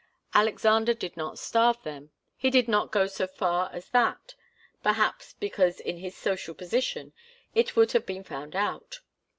Alexander did not starve them. He did not go so far as that perhaps because in his social position it would have been found out.